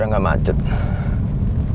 biar gue gak mepet waktu boardingnya